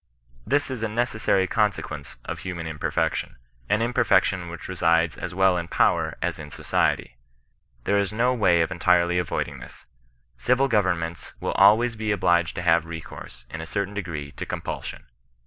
This is a necessary consequence of human imperfection ; an imperfection which resides as well in power as in society. There is no way of entirely avoiding this ; civil govern ments will always be obliged to have recourse, in a cer tain degree, to compulsion.